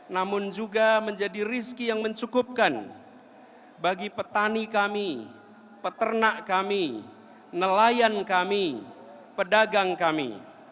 namun menjadi resiko yang mencukupkan bagi petani peternak nelayan dan pedagang kami